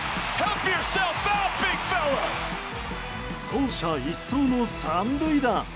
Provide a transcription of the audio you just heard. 走者一掃の３塁打！